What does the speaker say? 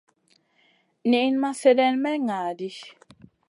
Niyn ma slèdeyn may ŋa ɗi.